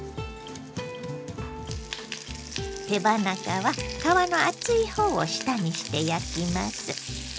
手羽中は皮の厚いほうを下にして焼きます。